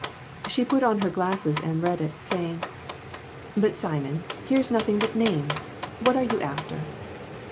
She put on her glasses and read it, saying "But, Simon, here's nothing but names ! What are you after?"